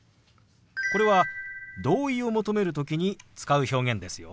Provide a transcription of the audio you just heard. これは同意を求める時に使う表現ですよ。